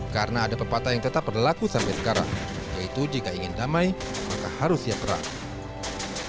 karena ada pepatah yang tetap berlaku sampai sekarang yaitu jika ingin damai maka harus siap perang